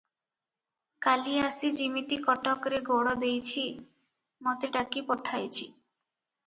କାଲି ଆସି ଯିମିତି କଟକରେ ଗୋଡ଼ ଦେଇଛି, ମୋତେ ଡାକି ପଠାଇଛି ।